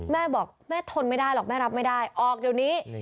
แม่บอกแม่ทนไม่ได้หรอกแม่รับไม่ได้ออกเดี๋ยวนี้